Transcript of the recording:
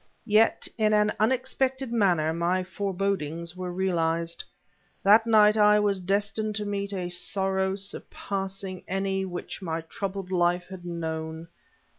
Yet, in an unexpected manner, my forebodings were realized. That night I was destined to meet a sorrow surpassing any which my troubled life had known.